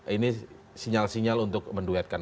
ini sinyal sinyal untuk menduetkan